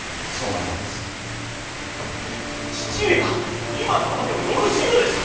父上は今のままでよろしいのですか。